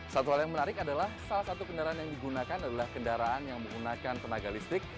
satu hal yang menarik adalah salah satu kendaraan yang digunakan adalah kendaraan yang menggunakan tenaga listrik